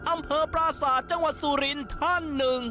อำเภอปราศาสตร์จังหวัดสุรินทร์ท่านหนึ่ง